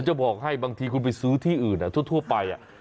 จะบอกให้บางทีคุณไปซื้อที่อื่นทั่วไป